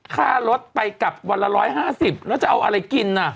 ค่ารถไปกลับวันละ๑๕๐แล้วจะเอาอะไรกินน่ะ